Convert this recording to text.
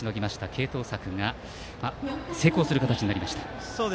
継投策が成功する形になりました。